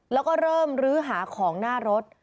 แล้วก็เริ่มลื้อหาของหน้ารถ